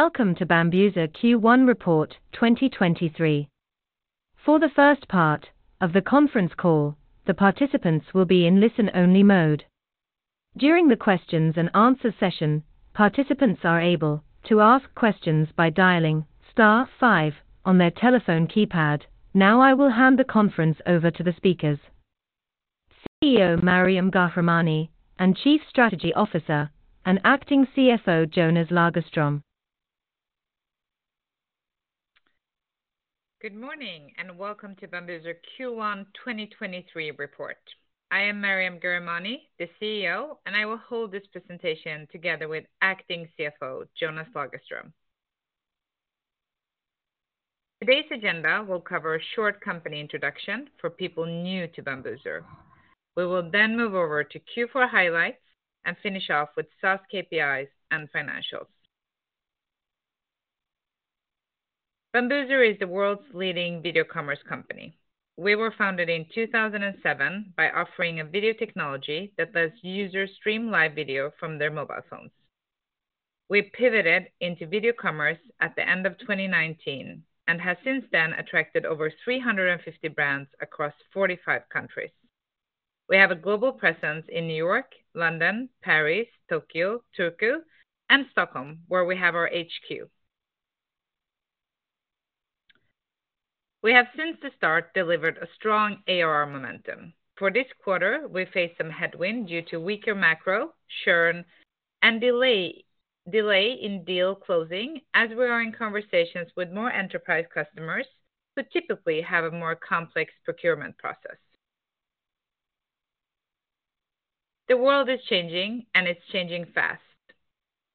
Welcome to Bambuser Q1 Report 2023. For the first part of the conference call, the participants will be in listen-only mode. During the questions and answer session, participants are able to ask questions by dialing star five on their telephone keypad. I will hand the conference over to the speakers, CEO Maryam Ghahremani and Chief Strategy Officer and Acting CFO, Jonas Lagerström. Good morning and welcome to Bambuser Q1 2023 report. I am Maryam Ghahremani, the CEO, and I will hold this presentation together with Acting CFO, Jonas Lagerström. Today's agenda will cover a short company introduction for people new to Bambuser. We will move over to Q4 highlights and finish off with SaaS KPIs and financials. Bambuser is the world's leading video commerce company. We were founded in 2007 by offering a video technology that lets users stream live video from their mobile phones. We pivoted into video commerce at the end of 2019 and have since then attracted over 350 brands across 45 countries. We have a global presence in New York, London, Paris, Tokyo, Turku, and Stockholm, where we have our HQ. We have since the start delivered a strong ARR momentum. For this quarter, we faced some headwind due to weaker macro, churn, and delay in deal closing as we are in conversations with more enterprise customers who typically have a more complex procurement process. The world is changing, it's changing fast.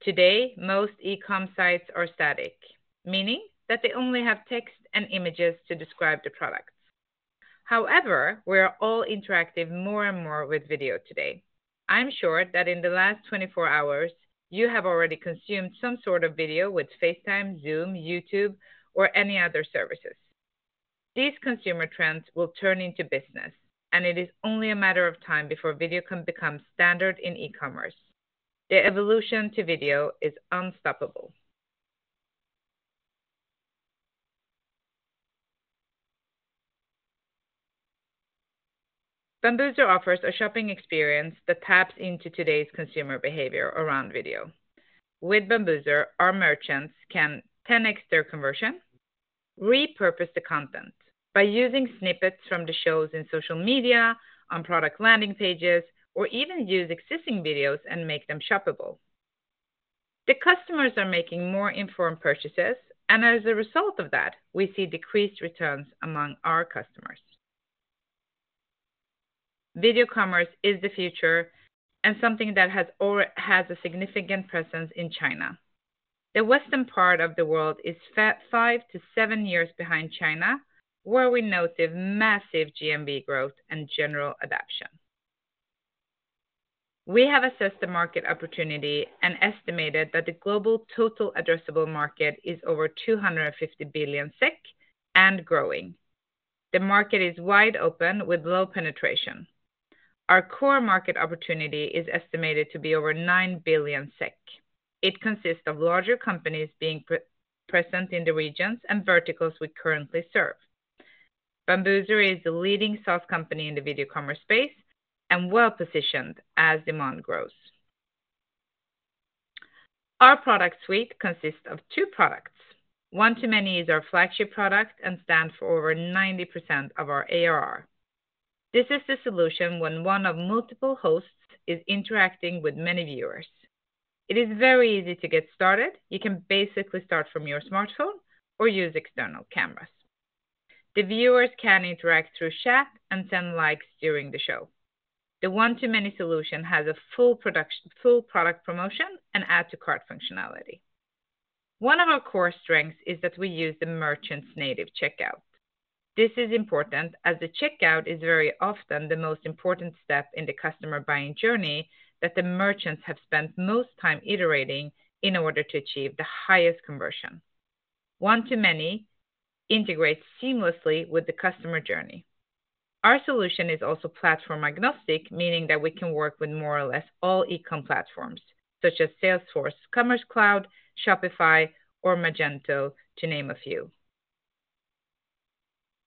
Today, most e-com sites are static, meaning that they only have text and images to describe the products. However, we are all interactive more and more with video today. I'm sure that in the last 24 hours you have already consumed some sort of video with FaceTime, Zoom, YouTube, or any other services. These consumer trends will turn into business, it is only a matter of time before video becomes standard in e-commerce. The evolution to video is unstoppable. Bambuser offers a shopping experience that taps into today's consumer behavior around video. With Bambuser, our merchants can 10x their conversion, repurpose the content by using snippets from the shows in social media, on product landing pages, or even use existing videos and make them shoppable. The customers are making more informed purchases, and as a result of that, we see decreased returns among our customers. Video commerce is the future and something that has a significant presence in China. The western part of the world is 5-7 years behind China, where we note a massive GMV growth and general adaption. We have assessed the market opportunity and estimated that the global total addressable market is over 250 billion SEK and growing. The market is wide open with low penetration. Our core market opportunity is estimated to be over 9 billion SEK. It consists of larger companies being present in the regions and verticals we currently serve. Bambuser is the leading SaaS company in the video commerce space and well-positioned as demand grows. Our product suite consists of 2 products. One-to-Many is our flagship product and stands for over 90% of our ARR. This is the solution when one of multiple hosts is interacting with many viewers. It is very easy to get started. You can basically start from your smartphone or use external cameras. The viewers can interact through chat and send likes during the show. The One-to-Many solution has a full product promotion and add to cart functionality. One of our core strengths is that we use the merchant's native checkout. This is important as the checkout is very often the most important step in the customer buying journey that the merchants have spent most time iterating in order to achieve the highest conversion. One-to-Many integrates seamlessly with the customer journey. Our solution is also platform agnostic, meaning that we can work with more or less all e-com platforms such as Salesforce, Commerce Cloud, Shopify, or Magento, to name a few.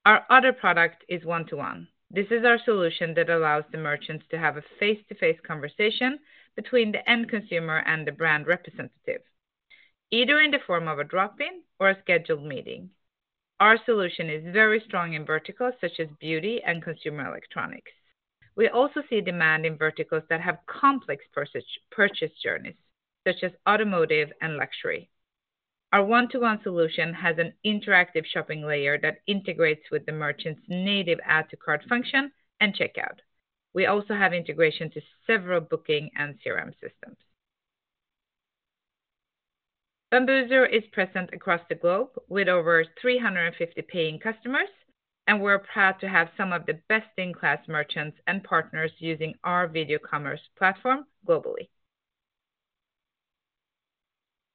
Our other product is One-to-One. This is our solution that allows the merchants to have a face-to-face conversation between the end consumer and the brand representative, either in the form of a drop-in or a scheduled meeting. Our solution is very strong in verticals such as beauty and consumer electronics. We also see demand in verticals that have complex purchase journeys, such as automotive and luxury. Our One-to-One solution has an interactive shopping layer that integrates with the merchant's native add to cart function and checkout. We also have integration to several booking and CRM systems. Bambuser is present across the globe with over 350 paying customers, and we're proud to have some of the best-in-class merchants and partners using our video commerce platform globally.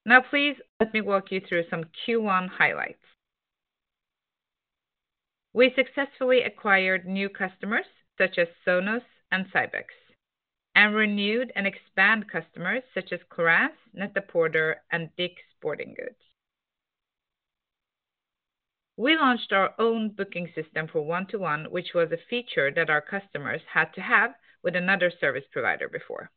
Now please let me walk you through some Q1 highlights. We successfully acquired new customers such as Sonos and CYBEX, and renewed and expand customers such as KORRES, NET-A-PORTER, and DICK'S Sporting Goods. We launched our own booking system for One-to-One, which was a feature that our customers had to have with another service provider before.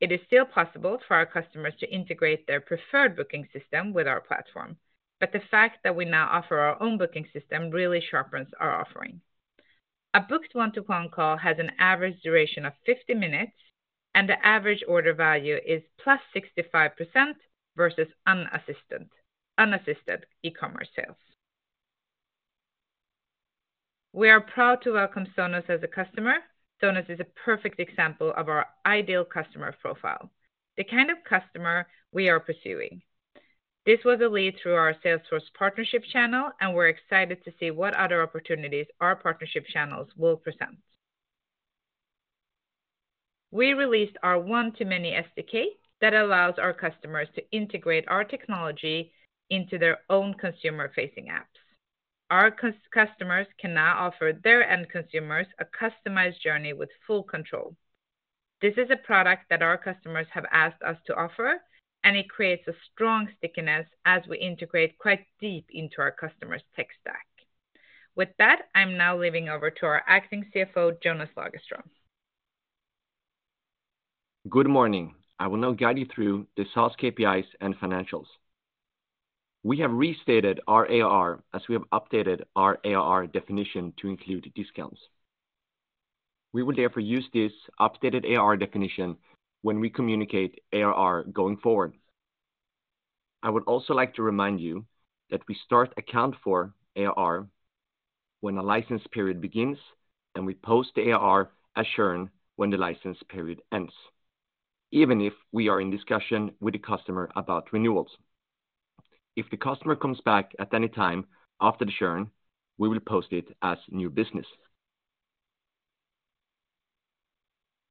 It is still possible for our customers to integrate their preferred booking system with our platform, but the fact that we now offer our own booking system really sharpens our offering. A booked One-to-One call has an average duration of 50 minutes, and the average order value is +65% versus unassisted e-commerce sales. We are proud to welcome Sonos as a customer. Sonos is a perfect example of our ideal customer profile, the kind of customer we are pursuing. This was a lead through our Salesforce partnership channel, and we're excited to see what other opportunities our partnership channels will present. We released our One-to-Many SDK that allows our customers to integrate our technology into their own consumer-facing apps. Our customers can now offer their end consumers a customized journey with full control. This is a product that our customers have asked us to offer, and it creates a strong stickiness as we integrate quite deep into our customers' tech stack. With that, I'm now leaving over to our acting CFO, Jonas Lagerström. Good morning. I will now guide you through the SaaS KPIs and financials. We have restated our ARR as we have updated our ARR definition to include discounts. We will therefore use this updated ARR definition when we communicate ARR going forward. I would also like to remind you that we start account for ARR when a license period begins, and we post the ARR as churn when the license period ends, even if we are in discussion with the customer about renewals. If the customer comes back at any time after the churn, we will post it as new business.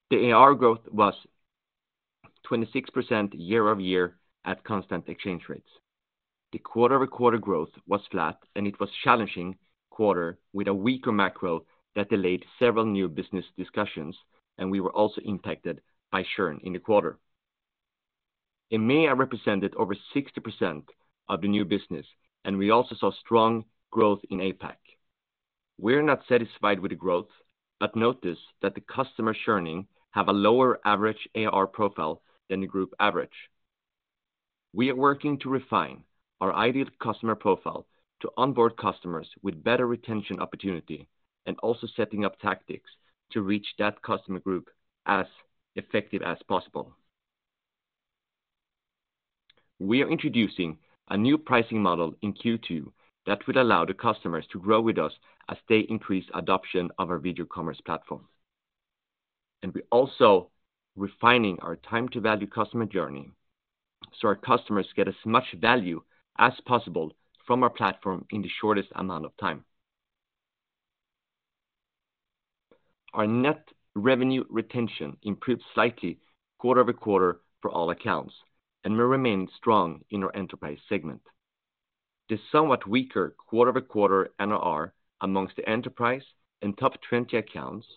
The ARR growth was 26% year-over-year at constant exchange rates. The quarter-over-quarter growth was flat, and it was challenging quarter with a weaker macro that delayed several new business discussions, and we were also impacted by churn in the quarter. In May, I represented over 60% of the new business. We also saw strong growth in APAC. We're not satisfied with the growth, notice that the customer churning have a lower average ARR profile than the group average. We are working to refine our ideal customer profile to onboard customers with better retention opportunity also setting up tactics to reach that customer group as effective as possible. We are introducing a new pricing model in Q2 that would allow the customers to grow with us as they increase adoption of our video commerce platform. We're also refining our time to value customer journey, our customers get as much value as possible from our platform in the shortest amount of time. Our net revenue retention improved slightly quarter-over-quarter for all accounts will remain strong in our enterprise segment. The somewhat weaker quarter-over-quarter NRR amongst the enterprise and top 20 accounts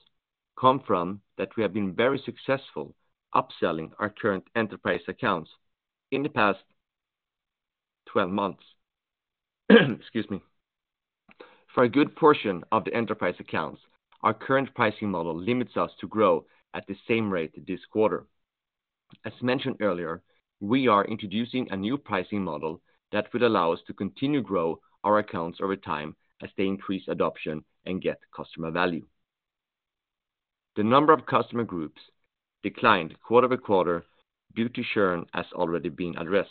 come from that we have been very successful upselling our current enterprise accounts in the past 12 months. Excuse me. For a good portion of the enterprise accounts, our current pricing model limits us to grow at the same rate this quarter. As mentioned earlier, we are introducing a new pricing model that would allow us to continue grow our accounts over time as they increase adoption and get customer value. The number of customer groups declined quarter-over-quarter due to churn as already been addressed.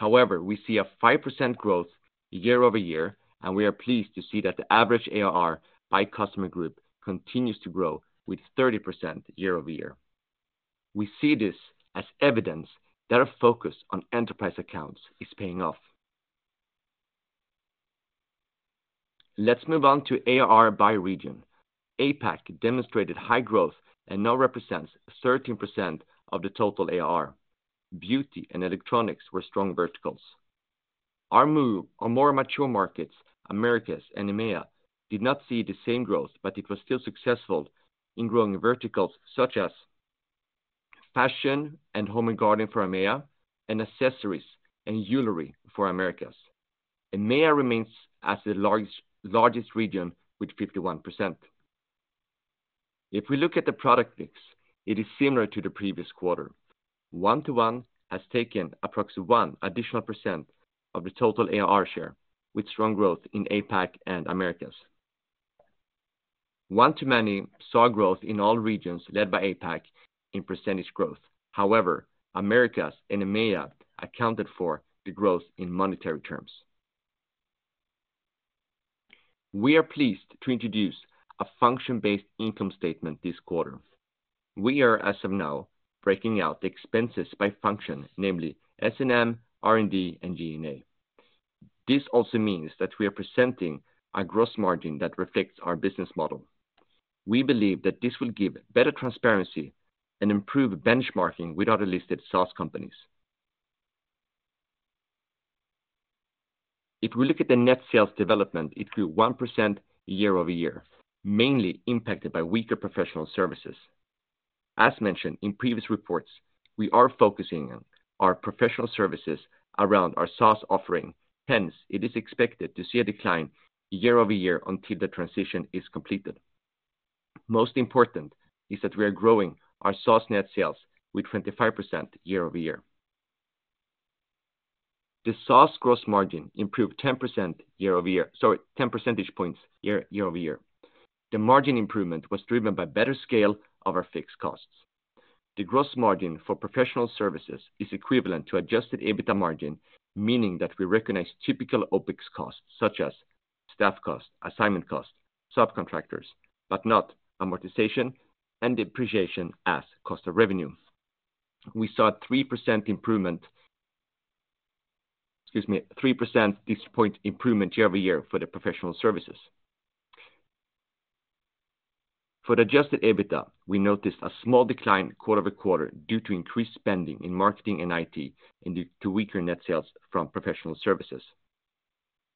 We see a 5% growth year-over-year, and we are pleased to see that the average ARR by customer group continues to grow with 30% year-over-year. We see this as evidence that our focus on enterprise accounts is paying off. Let's move on to ARR by region. APAC demonstrated high growth and now represents 13% of the total ARR. Beauty and electronics were strong verticals. Our move on more mature markets, Americas and EMEA, did not see the same growth, but it was still successful in growing verticals such as fashion and home and garden for EMEA and accessories and jewelry for Americas. EMEA remains as the largest region with 51%. If we look at the product mix, it is similar to the previous quarter. One-to-One has taken approximately 1 additional % of the total ARR share with strong growth in APAC and Americas. One-to-Many saw growth in all regions led by APAC in percentage growth. However, Americas and EMEA accounted for the growth in monetary terms. We are pleased to introduce a function-based income statement this quarter. We are, as of now, breaking out the expenses by function, namely S&M, R&D, and G&A. This also means that we are presenting a gross margin that reflects our business model. We believe that this will give better transparency and improve benchmarking with other listed SaaS companies. If we look at the net sales development, it grew 1% year-over-year, mainly impacted by weaker professional services. As mentioned in previous reports, we are focusing on our professional services around our SaaS offering. Hence, it is expected to see a decline year-over-year until the transition is completed. Most important is that we are growing our SaaS net sales with 25% year-over-year. The SaaS gross margin improved 10 percentage points year-over-year. The margin improvement was driven by better scale of our fixed costs. The gross margin for professional services is equivalent to adjusted EBITDA margin, meaning that we recognize typical OpEx costs such as staff costs, assignment costs, subcontractors, but not amortization and depreciation as cost of revenue. Excuse me, 3 percentage point improvement year-over-year for the professional services. For the adjusted EBITDA, we noticed a small decline quarter-over-quarter due to increased spending in marketing and IT and due to weaker net sales from professional services.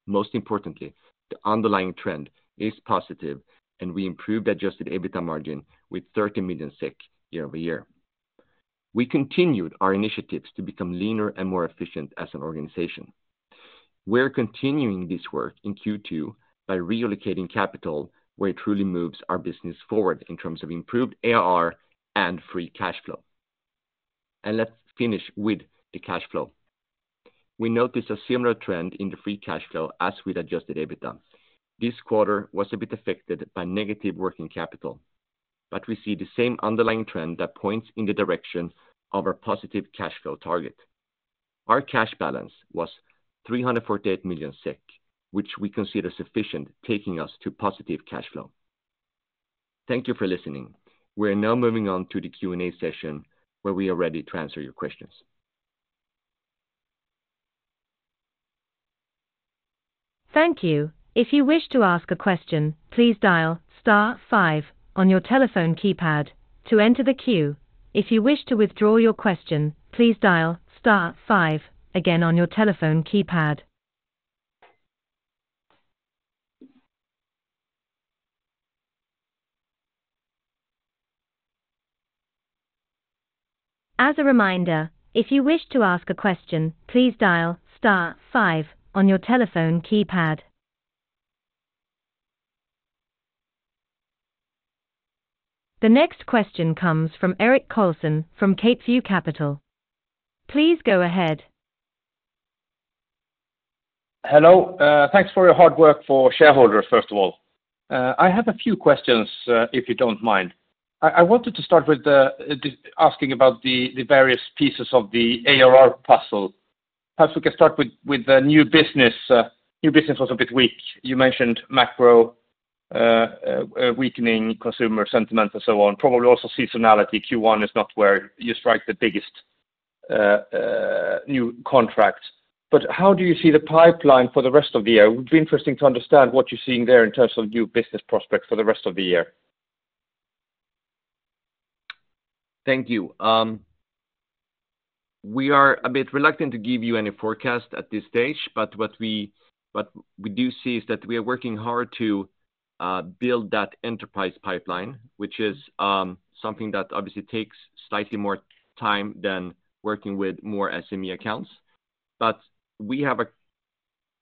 Most importantly, the underlying trend is positive and we improved adjusted EBITDA margin with 30 million SEK year-over-year. We continued our initiatives to become leaner and more efficient as an organization. We're continuing this work in Q2 by reallocating capital where it truly moves our business forward in terms of improved ARR and free cash flow. Let's finish with the cash flow. We noticed a similar trend in the free cash flow as with adjusted EBITDA. This quarter was a bit affected by negative working capital. We see the same underlying trend that points in the direction of our positive cash flow target. Our cash balance was 348 million SEK, which we consider sufficient, taking us to positive cash flow. Thank you for listening. We are now moving on to the Q&A session where we are ready to answer your questions. Thank you. If you wish to ask a question, please dial star five on your telephone keypad to enter the queue. If you wish to withdraw your question, please dial star five again on your telephone keypad. As a reminder, if you wish to ask a question, please dial star five on your telephone keypad. The next question comes from Erik Åfors from CapeView Capital. Please go ahead. Hello. Thanks for your hard work for shareholders, first of all. I have a few questions, if you don't mind. I wanted to start with asking about the various pieces of the ARR puzzle. Perhaps we can start with the new business. New business was a bit weak. You mentioned macro, weakening consumer sentiment and so on. Probably also seasonality. Q1 is not where you strike the biggest new contracts. How do you see the pipeline for the rest of the year? It would be interesting to understand what you're seeing there in terms of new business prospects for the rest of the year. Thank you. We are a bit reluctant to give you any forecast at this stage. What we do see is that we are working hard to build that enterprise pipeline, which is something that obviously takes slightly more time than working with more SME accounts. We have a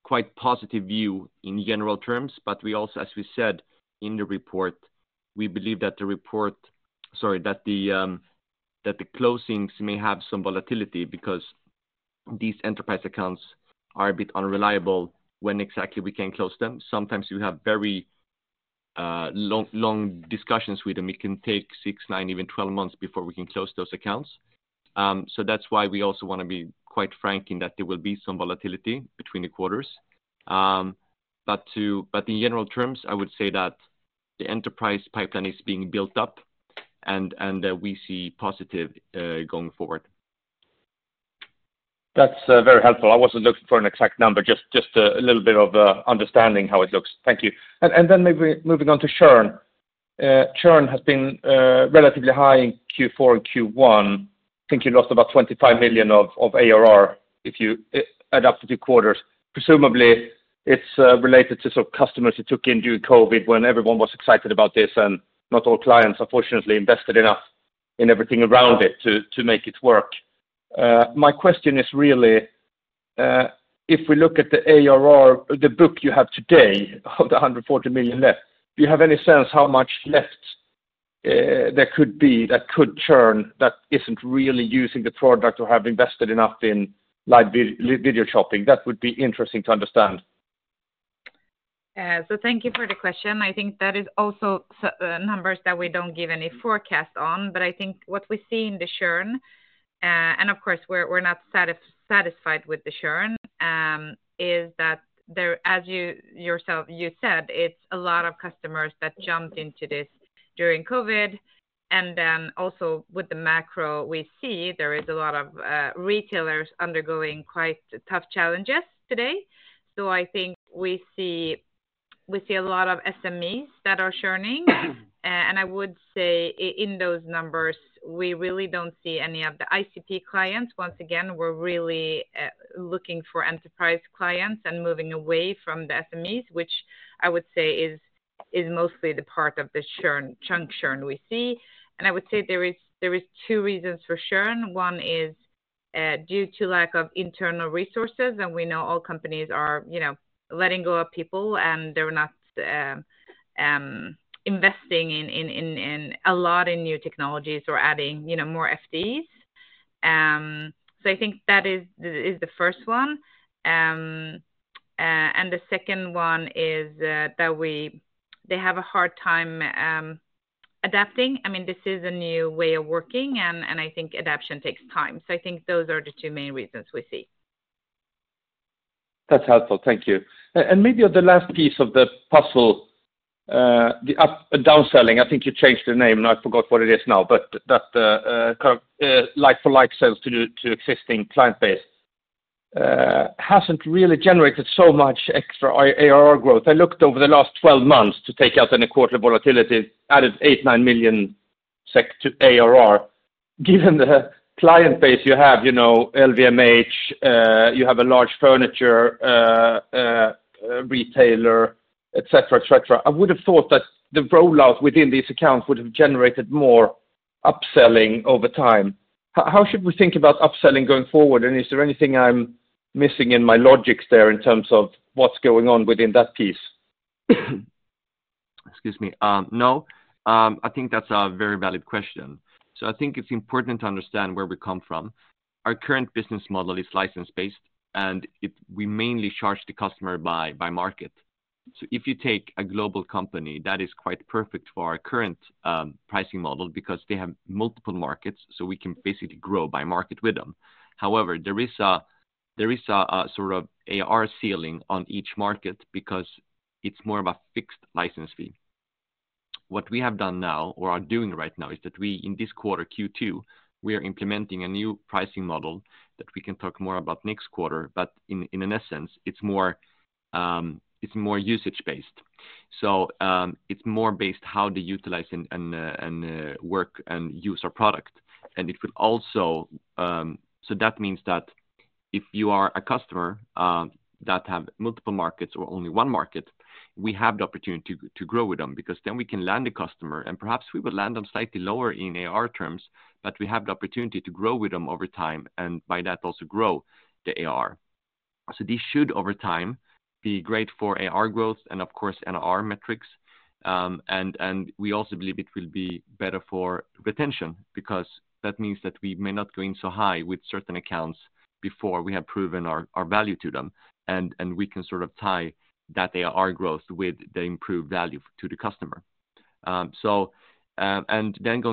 quite positive view in general terms. We also, as we said in the report, we believe that the closings may have some volatility because these enterprise accounts are a bit unreliable when exactly we can close them. Sometimes you have very long discussions with them. It can take 6, 9, even 12 months before we can close those accounts. That's why we also want to be quite frank in that there will be some volatility between the quarters. In general terms, I would say that the enterprise pipeline is being built up and we see positive going forward. That's very helpful. I wasn't looking for an exact number, just a little bit of understanding how it looks. Thank you. Maybe moving on to churn. Churn has been relatively high in Q4 and Q1. I think you lost about 25 million of ARR if you add up the two quarters. Presumably, it's related to sort of customers you took in during COVID when everyone was excited about this, and not all clients unfortunately invested enough in everything around it to make it work. My question is really, if we look at the ARR, the book you have today of the 140 million left, do you have any sense how much left there could be that could churn that isn't really using the product or have invested enough in live video shopping? That would be interesting to understand. Thank you for the question. I think that is also numbers that we don't give any forecast on. I think what we see in the churn, and of course, we're not satisfied with the churn, is that there, as you yourself, you said, it's a lot of customers that jumped into this during COVID. Also with the macro, we see there is a lot of retailers undergoing quite tough challenges today. I think we see a lot of SMEs that are churning. I would say in those numbers, we really don't see any of the ICP clients. Once again, we're really looking for enterprise clients and moving away from the SMEs, which I would say is mostly the part of the chunk churn we see. I would say there is two reasons for churn. One is due to lack of internal resources. We know all companies are, you know, letting go of people, and they're not investing in a lot in new technologies or adding, you know, more FDs. I think that is the first one. And the second one is that they have a hard time adapting. I mean, this is a new way of working, and I think adaptation takes time. I think those are the two main reasons we see. That's helpful. Thank you. And maybe the last piece of the puzzle, the downselling, I think you changed the name, and I forgot what it is now, but that, kind of, like-for-like sales to existing client base, hasn't really generated so much extra ARR growth. I looked over the last 12 months to take out any quarter volatility, added 8, 9 million SEK to ARR. Given the client base you have, you know, LVMH, you have a large furniture retailer, et cetera, et cetera. I would have thought that the rollout within these accounts would have generated more upselling over time. How should we think about upselling going forward? Is there anything I'm missing in my logics there in terms of what's going on within that piece? Excuse me. No, I think that's a very valid question. I think it's important to understand where we come from. Our current business model is license-based, and we mainly charge the customer by market. If you take a global company that is quite perfect for our current pricing model because they have multiple markets, we can basically grow by market with them. There is a sort of ARR ceiling on each market because it's more of a fixed license fee. What we have done now or are doing right now is that we, in this quarter, Q2, we are implementing a new pricing model that we can talk more about next quarter. In an essence, it's more usage-based. It's more based how they utilize and work and use our product. It will also. That means that if you are a customer that have multiple markets or only one market, we have the opportunity to grow with them because then we can land a customer, and perhaps we would land them slightly lower in AR terms, but we have the opportunity to grow with them over time and by that also grow the AR. This should over time be great for AR growth and of course NR metrics. And we also believe it will be better for retention because that means that we may not go in so high with certain accounts before we have proven our value to them. We can sort of tie that ARR growth with the improved value to the customer. Going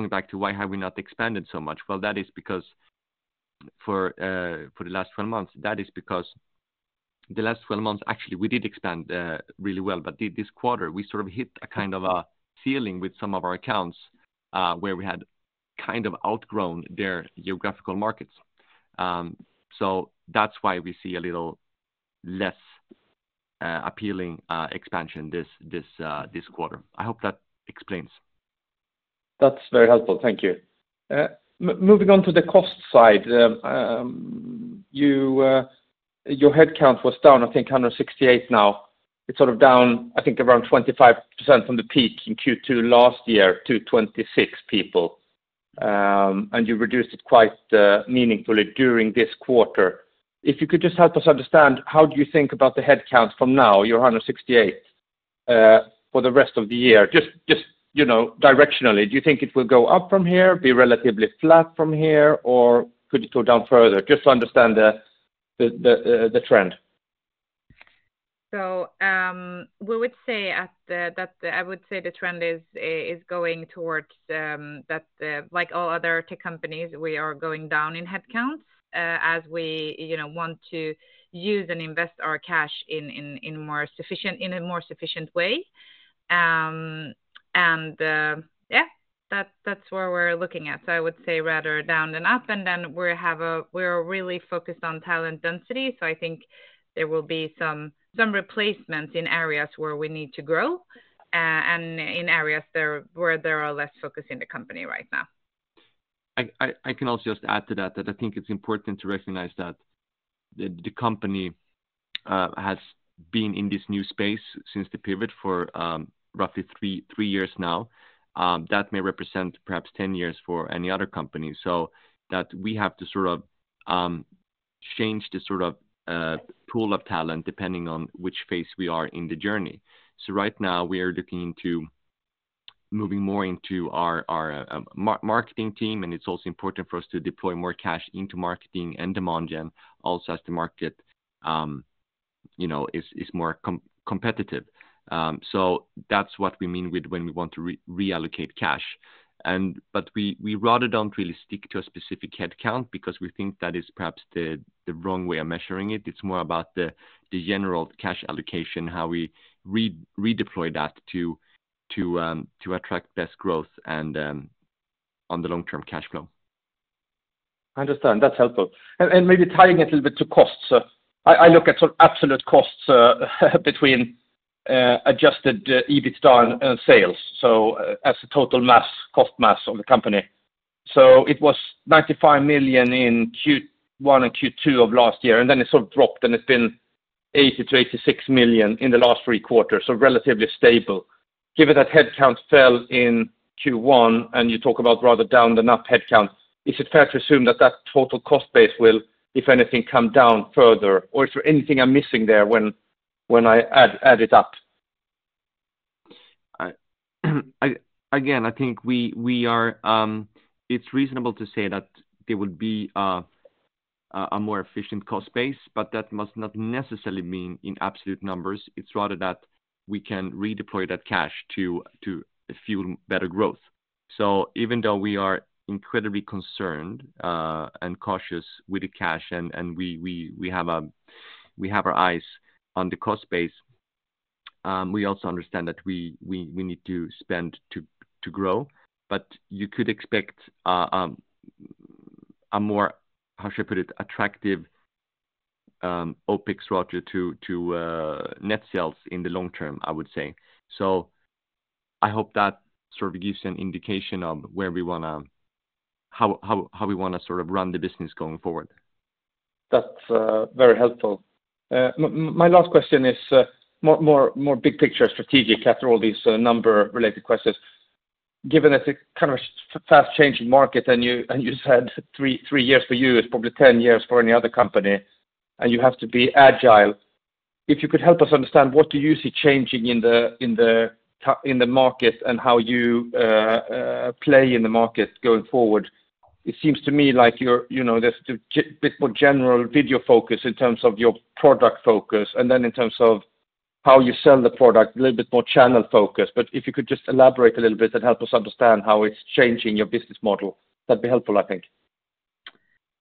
back to why have we not expanded so much? Well, that is because for the last 12 months, actually, we did expand really well. This quarter, we sort of hit a kind of a ceiling with some of our accounts, where we had kind of outgrown their geographical markets. That's why we see a little less appealing expansion this quarter. I hope that explains. That's very helpful. Thank you. Moving on to the cost side. You, your headcount was down, I think, 168 now. It's sort of down, I think around 25% from the peak in Q2 last year to 26 people. You reduced it quite meaningfully during this quarter. If you could just help us understand, how do you think about the headcount from now, you're 168, for the rest of the year? Just, you know, directionally, do you think it will go up from here, be relatively flat from here, or could it go down further? Just to understand the trend. I would say the trend is going towards that, like all other tech companies, we are going down in headcounts as we, you know, want to use and invest our cash in a more sufficient way. Yeah, that's where we're looking at. I would say rather down than up. We're really focused on talent density. I think there will be some replacements in areas where we need to grow and in areas where there are less focus in the company right now. I can also just add to that I think it's important to recognize that the company has been in this new space since the pivot for roughly 3 years now. That may represent perhaps 10 years for any other company. That we have to sort of change the sort of pool of talent depending on which phase we are in the journey. Right now, we are looking into moving more into our marketing team, and it's also important for us to deploy more cash into marketing and demand gen also as the market, you know, is more competitive. That's what we mean with when we want to reallocate cash. We rather don't really stick to a specific headcount because we think that is perhaps the wrong way of measuring it. It's more about the general cash allocation, how we redeploy that to attract best growth and on the long-term cash flow. I understand. That's helpful. Maybe tying it a little bit to costs. I look at sort of absolute costs between adjusted EBITDA and sales, so as a total mass, cost mass of the company. It was 95 million in Q one and Q two of last year, then it sort of dropped, and it's been 80 million-86 million in the last three quarters, relatively stable. Given that headcounts fell in Q one and you talk about rather down than up headcount, is it fair to assume that that total cost base will, if anything, come down further? Is there anything I'm missing there when I add it up? I think we are. It's reasonable to say that there will be a more efficient cost base, that must not necessarily mean in absolute numbers. It's rather that we can redeploy that cash to fuel better growth. Even though we are incredibly concerned and cautious with the cash and we have our eyes on the cost base, we also understand that we need to spend to grow. You could expect a more, how should I put it, attractive OPEX rather to net sales in the long term, I would say. I hope that sort of gives an indication of how we wanna sort of run the business going forward. That's very helpful. My last question is more big picture strategic after all these number related questions. Given it's a kind of fast changing market and you, and you said three years for you is probably 10 years for any other company, and you have to be agile, if you could help us understand what do you see changing in the market and how you play in the market going forward. It seems to me like you're, you know, there's a bit more general video focus in terms of your product focus, and then in terms of how you sell the product, a little bit more channel focus. If you could just elaborate a little bit and help us understand how it's changing your business model, that'd be helpful, I think.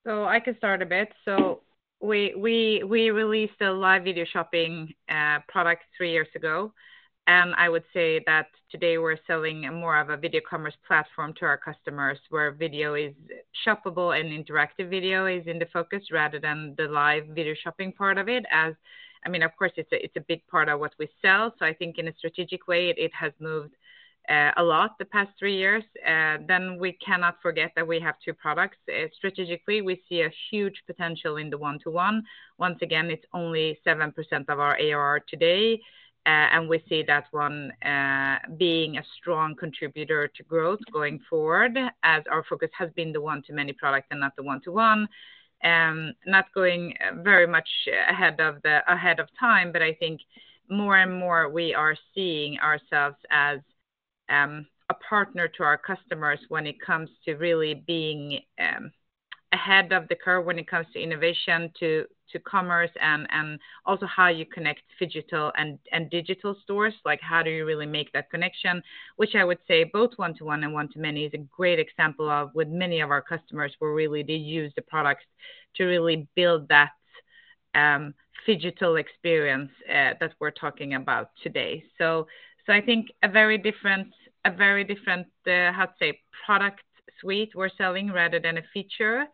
I can start a bit. We released a live video shopping product 3 years ago. I would say that today we're selling more of a video commerce platform to our customers, where video is shoppable and interactive video is in the focus rather than the live video shopping part of it. I mean, of course, it's a big part of what we sell, so I think in a strategic way it has moved a lot the past 3 years. We cannot forget that we have 2 products. Strategically, we see a huge potential in the One-to-One. Once again, it's only 7% of our ARR today, and we see that one being a strong contributor to growth going forward as our focus has been the One-to-Many product and not the One-to-One. Not going very much ahead of time, but I think more and more we are seeing ourselves as a partner to our customers when it comes to really being ahead of the curve when it comes to innovation to commerce and also how you connect phygital and digital stores, like how do you really make that connection, which I would say both One-to-One and One-to-Many is a great example of with many of our customers where really they use the products to really build that phygital experience that we're talking about today. I think a very different, a very different how to say, product suite we're selling rather than a feature,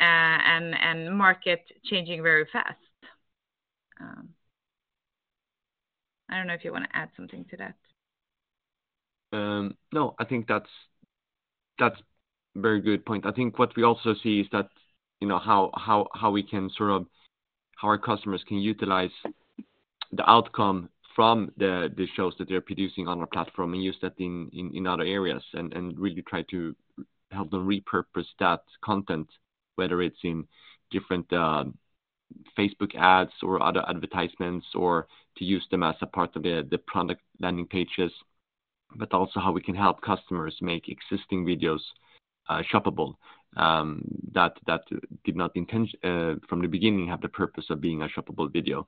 and market changing very fast. I don't know if you wanna add something to that. No, I think that's very good point. I think what we also see is that, you know, how our customers can utilize the outcome from the shows that they're producing on our platform and use that in other areas and really try to help them repurpose that content, whether it's in different Facebook ads or other advertisements or to use them as a part of the product landing pages, but also how we can help customers make existing videos, shoppable, that did not intend from the beginning have the purpose of being a shoppable video.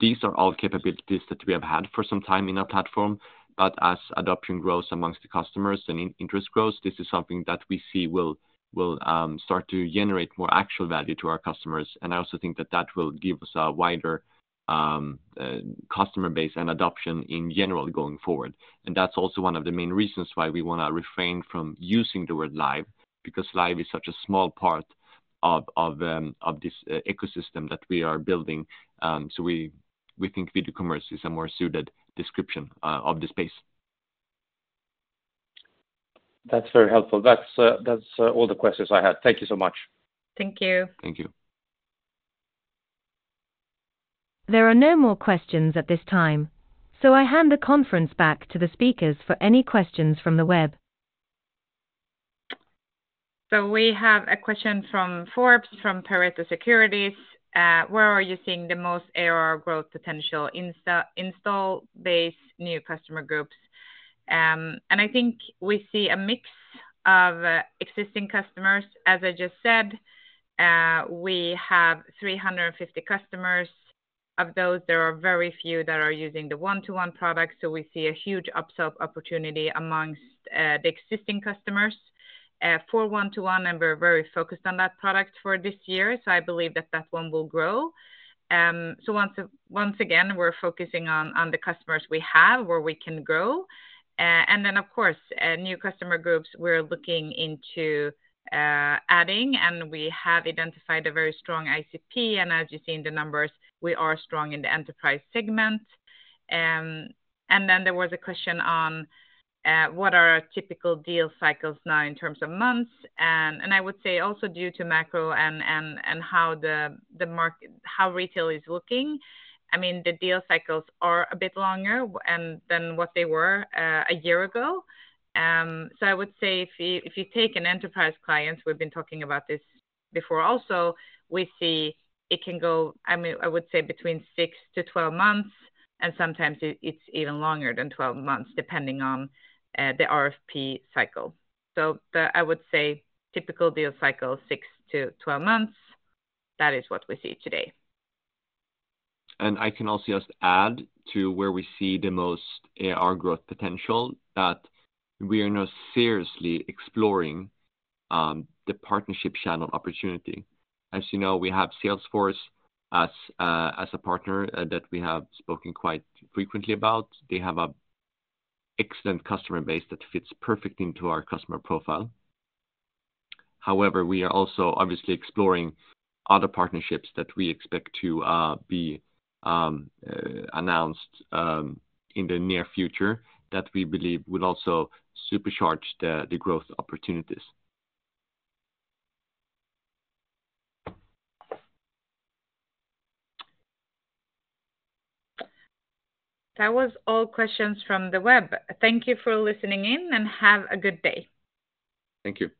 These are all capabilities that we have had for some time in our platform, but as adoption grows amongst the customers and in-interest grows, this is something that we see will start to generate more actual value to our customers. I also think that that will give us a wider customer base and adoption in general going forward. That's also one of the main reasons why we wanna refrain from using the word live, because live is such a small part of this ecosystem that we are building. So we think video commerce is a more suited description of the space. That's very helpful. That's all the questions I had. Thank you so much. Thank you. Thank you. There are no more questions at this time, so I hand the conference back to the speakers for any questions from the web. We have a question from Frans Höggren, from Pareto Securities. Where are you seeing the most ARR growth potential install base new customer groups? I think we see a mix of existing customers. As I just said, we have 350 customers. Of those, there are very few that are using the One-to-One product, so we see a huge upsell opportunity amongst the existing customers for One-to-One, and we're very focused on that product for this year. I believe that that one will grow. Once again, we're focusing on the customers we have, where we can grow. Of course, new customer groups we're looking into adding, we have identified a very strong ICP, and as you see in the numbers, we are strong in the enterprise segment. Then there was a question on what are our typical deal cycles now in terms of months. I would say also due to macro and how retail is looking, I mean, the deal cycles are a bit longer than what they were a year ago. I would say if you, if you take an enterprise client, we've been talking about this before also, we see it can go, I mean, I would say between 6 to 12 months, and sometimes it's even longer than 12 months, depending on the RFP cycle. I would say typical deal cycle, 6 to 12 months. That is what we see today. I can also just add to where we see the most ARR growth potential, that we are now seriously exploring the partnership channel opportunity. As you know, we have Salesforce as a partner that we have spoken quite frequently about. They have an excellent customer base that fits perfectly into our customer profile. However, we are also obviously exploring other partnerships that we expect to be announced in the near future that we believe will also supercharge the growth opportunities. That was all questions from the web. Thank you for listening in, and have a good day. Thank you.